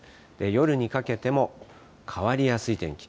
夜にかけても変わりやすい天気。